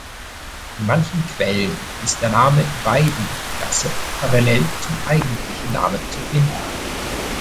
In manchen Quellen ist der Name "Weiden"-Klasse parallel zum eigentlichen Namen zu finden.